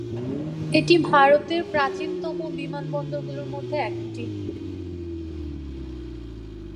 এটি ভারতের প্রাচীনতম বিমানবন্দরগুলির মধ্যে একটি।